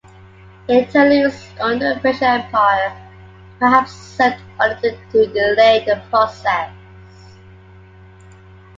The interludes under the Persian Empire perhaps served only to delay the process.